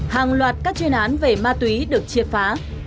hàng loạt các chuyên án về ma túy được triệt phá